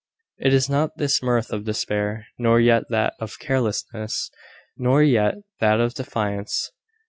It was not this mirth of despair; nor yet that of carelessness; nor yet that of defiance.